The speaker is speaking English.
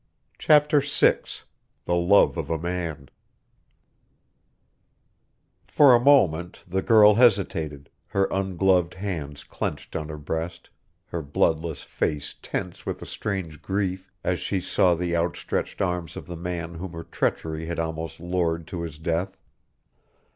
CHAPTER VI THE LOVE OF A MAN For a moment the girl hesitated, her ungloved hands clenched on her breast, her bloodless face tense with a strange grief, as she saw the outstretched arms of the man whom her treachery had almost lured to his death.